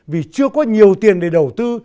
vì chưa có nhiều tiền để đầu tư